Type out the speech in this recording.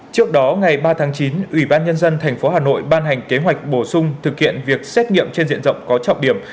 trước đó ngày ba tháng chín ủy ban nhân dân tp hà nội ban hành kế hoạch bổ sung thực hiện việc xét nghiệm trên diện rộng có trọng điểm